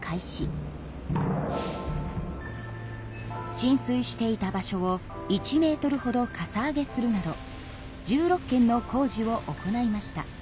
浸水していた場所を１ｍほどかさ上げするなど１６件の工事を行いました。